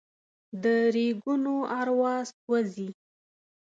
د ریګونو اروا سوزي